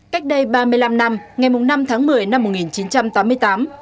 cách đây ba mươi năm năm ngày năm tháng một mươi năm một nghìn chín trăm tám mươi tám